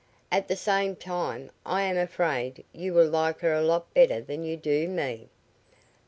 At the same time I am afraid you will like her a lot better than you do me."